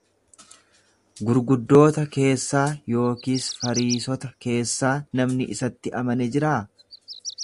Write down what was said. Gurguddoota keessaa yookiis Fariisota keessaa namni isatti amane jiraa?